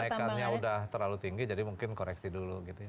karena naikannya udah terlalu tinggi jadi mungkin koreksi dulu gitu ya